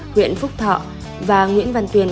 huyện phúc thọ và nguyễn văn tuyền